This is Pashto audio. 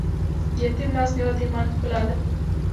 د یتیم لاس نیول د ایمان ښکلا ده.